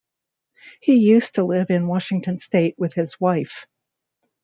He used to live in Washington state with his wife.